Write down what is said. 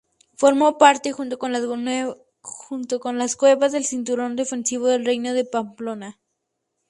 Formó parte, junto con las cuevas, del cinturón defensivo del reino de Pamplona.